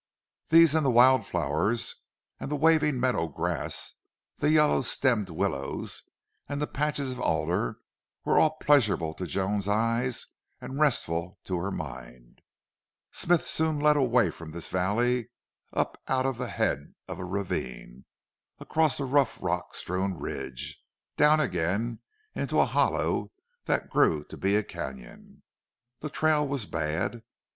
These and the wild flowers, and the waving meadow grass, the yellow stemmed willows, and the patches of alder, all were pleasurable to Joan's eyes and restful to her mind. Smith soon led away from this valley up out of the head of a ravine, across a rough rock strewn ridge, down again into a hollow that grew to be a canon. The trail was bad.